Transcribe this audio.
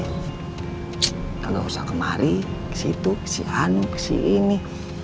udah gak usah kemari ke situ ke si anu ke si ini